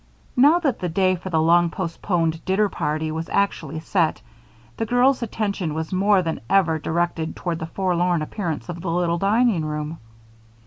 Now that the day for the long postponed dinner party was actually set, the girls' attention was more than ever directed toward the forlorn appearance of the little dining room.